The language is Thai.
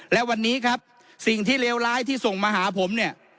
และวันนี้ครับสิ่งที่เลวร้ายที่ส่งมาหาผมเนี่ย